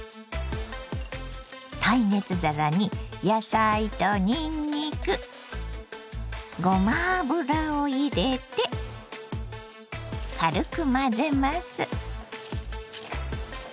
耐熱皿に野菜とにんにくごま油を入れて軽く混ぜます。